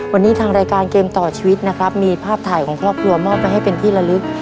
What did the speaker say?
วันนี้ทางรายการเกมต่อชีวิตนะครับมีภาพถ่ายของครอบครัวมอบไปให้เป็นที่ละลึก